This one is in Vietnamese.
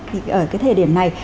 thì ở cái thời điểm này